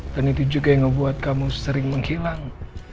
dan itu juga yang ngebuat kamu sering menghilang